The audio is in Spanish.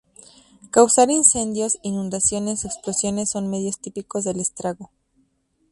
Causar incendios, inundaciones o explosiones, son medios típicos del estrago.